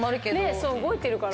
そう動いてるから。